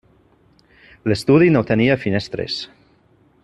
L'estudi no tenia finestres.